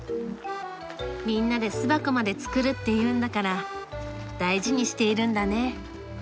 みんなで巣箱まで作るっていうんだから大事にしているんだね。